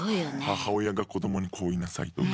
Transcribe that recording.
母親が子どもにこう言いなさいとか。